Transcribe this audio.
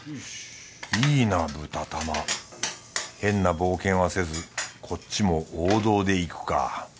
いいな豚玉変な冒険はせずこっちも王道でいくか